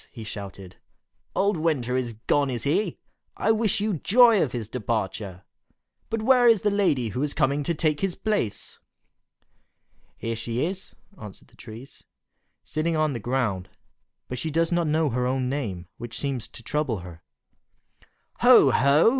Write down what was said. he shouted, "Old Winter is gone, is he? I wish you joy of his departure! But where is the lady who was coming to take his place?" "She is here," answered the trees, "sitting on the ground; but she does not know her own name, which seems to trouble her." "Ho! ho!"